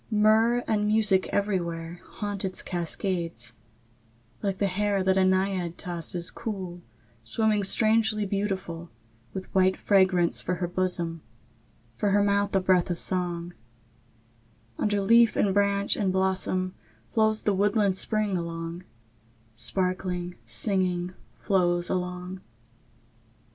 II. Myrrh and music everywhere Haunt its cascades; like the hair That a naiad tosses cool, Swimming strangely beautiful, With white fragrance for her bosom, For her mouth a breath of song; Under leaf and branch and blossom Flows the woodland spring along, Sparkling, singing, flows along.